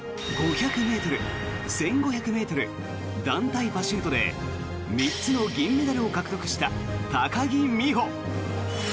５００ｍ、１５００ｍ団体パシュートで３つの銀メダルを獲得した高木美帆。